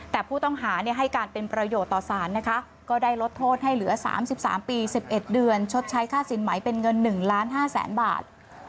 แต่ผู้ต้องหาให้การเป็นประโยชน์ต่อสารนะคะก็ได้ลดโทษให้เหลือ๓๓ปี๑๑เดือนชดใช้ค่าสินไหมเป็นเงิน๑ล้าน๕แสนบาท